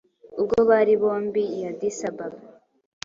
ubwo bari bombi I Addis ababa,